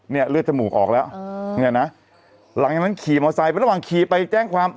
เลือดจมูกออกแล้วเนี่ยนะหลังจากนั้นขี่มอไซค์ระหว่างขี่ไปแจ้งความ